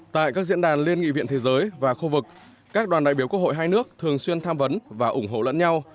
tại các diễn đàn liên nghị viện thế giới và khu vực các đoàn đại biểu quốc hội hai nước thường xuyên tham vấn và ủng hộ lẫn nhau